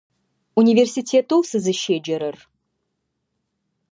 Университетэу сызыщеджэрэр.